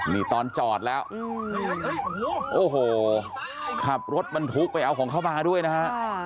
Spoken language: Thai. นี่ตอนจอดแล้วโอ้โหขับรถบรรทุกไปเอาของเขามาด้วยนะฮะ